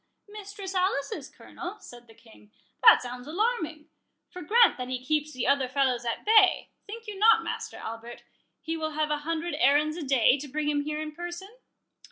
Mistress Alice's Colonel?" said the King—"that sounds alarming;—for grant that he keeps the other fellows at bay, think you not, Master Albert, he will have an hundred errands a day, to bring him here in person?"